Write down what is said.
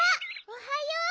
おはよう。